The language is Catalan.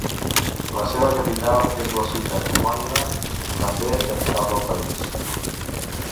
La seva capital és la ciutat homònima, també capital del país.